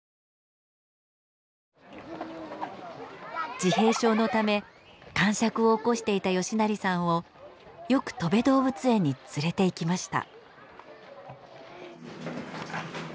自閉症のためかんしゃくを起こしていた嘉成さんをよくとべ動物園に連れていきました。